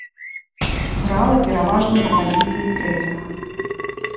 Грала пераважна на пазіцыі трэцяга.